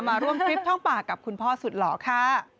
มาร่วมคลิปช่องป่ากับคุณพ่อสุดหรอกค่ะ